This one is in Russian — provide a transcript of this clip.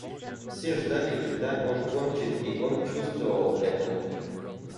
Все ждали, когда он кончит, и он чувствовал это.